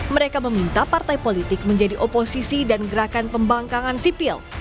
mereka meminta partai politik menjadi oposisi dan gerakan pembangkangan sipil